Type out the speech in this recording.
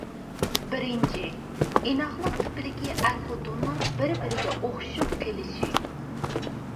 بىرىنچى، ئىناقلىق تىپىدىكى ئەر-خوتۇننىڭ بىر-بىرىگە ئوخشىشىپ قېلىشى.